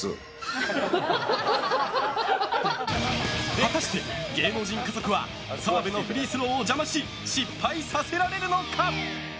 果たして芸能人家族は澤部のフリースローを邪魔し失敗させられるのか！？